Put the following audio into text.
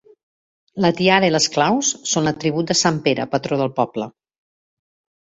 La tiara i les claus són l'atribut de sant Pere, patró del poble.